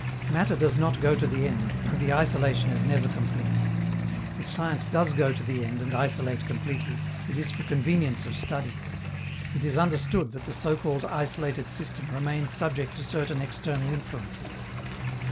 Matter does not go to the end, and the isolation is never complete. If science does go to the end and isolate completely, it is for convenience of study; it is understood that the so called isolated system remains subject to certain external influences.